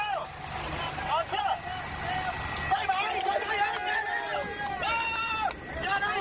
พ่อมีหมามีหมาด้วย